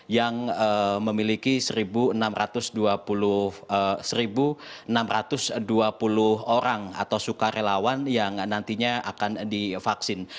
yang memiliki satu enam ratus enam ratus dua puluh orang atau sukarelawan yang nantinya akan divaksin